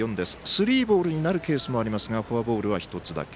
スリーボールになるケースもありますがフォアボールは１つだけ。